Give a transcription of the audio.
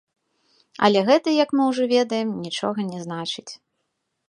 Але гэта, як мы ўжо ведаем, нічога не значыць.